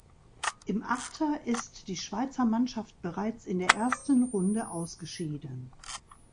Im Achter ist die Schweizer Mannschaft bereits in der ersten Runde ausgeschieden.